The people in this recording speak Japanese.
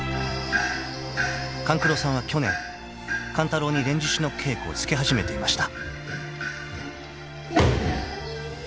［勘九郎さんは去年勘太郎に『連獅子』の稽古をつけ始めていました］